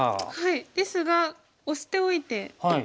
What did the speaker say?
ですがオシておいて。